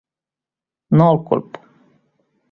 No el culpo.